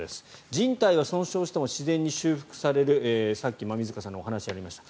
じん帯は損傷しても自然に修復されるさっき馬見塚さんからもお話がありました。